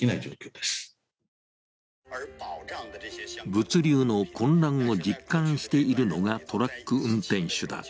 物流の混乱を実感しているのがトラック運転手だ。